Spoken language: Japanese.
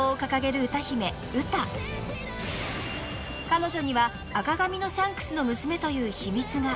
［彼女には赤髪のシャンクスの娘という秘密が］